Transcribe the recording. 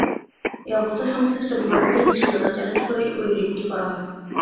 এ অবস্থায় সংশ্লিষ্ট বিবাদীদের নিষ্ক্রিয়তা চ্যালেঞ্জ করেই ওই রিটটি করা হয়।